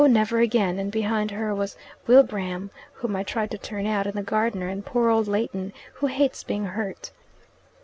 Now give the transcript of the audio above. Never again!' and behind her was Wilbraham, whom I tried to turn out, and the gardener, and poor old Leighton, who hates being hurt.